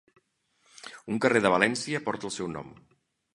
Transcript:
Un carrer de València porta el seu nom.